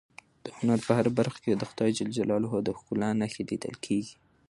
د هنر په هره برخه کې د خدای ج د ښکلا نښې لیدل کېږي.